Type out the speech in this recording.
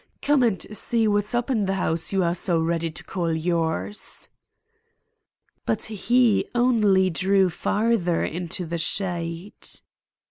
Come and see what's up in the house you are so ready to call yours." But he only drew farther into the shade.